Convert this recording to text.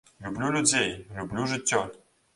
Люблю людзей, люблю жыццё.